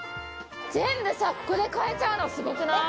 全部さ、ここで買えちゃうのすごくない？